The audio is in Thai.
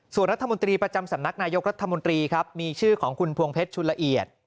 ส่วนรัฐมนตรีประจำสำนักนายกรัฐมนตรีครับมีชื่อของคุณพวงเพชรชุนละเอียด